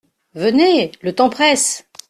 Venez ! le temps presse !…